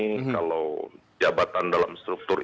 kalau jabatan dalam setelah ini kalau jabatan dalam setelah ini